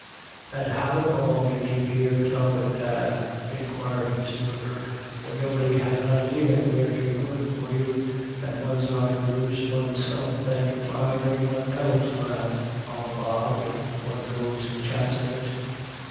" And how at all did you hear tell of it, Dan," 200 IRISH ID VLLS. inquired Mrs. M'Gurk, " when nobody had an idea where to be lookin' for you, and one's liker to lose one's self than to find any one else around on the bog, if one goes chancin' it